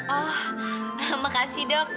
oh makasih dok